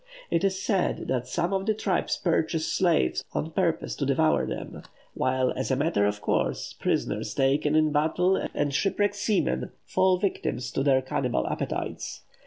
It is said that some of the tribes purchase slaves on purpose to devour them, while, as a matter of course, prisoners taken in battle and shipwrecked seamen fall victims to their cannibal appetites.